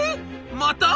また？